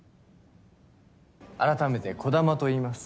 改めて児玉といいます。